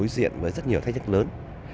diễn với rất nhiều thách thức lớn